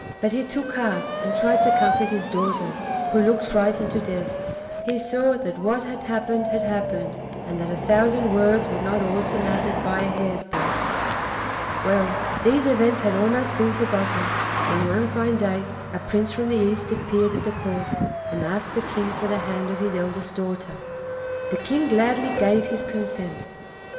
But he took heart and tried to comfort his daughters, who looked frightened to death. He saw that what had happened had happened, and that a thousand words would not alter matters by a hair's breadth. Well, these events had almost been forgotten when one fine day a prince from the East appeared at the Court and asked the King for the hand of his eldest daughter. The King gladly gave his consent.